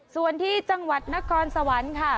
ส่วนที่จังหวัดนครสวรรค์ค่ะ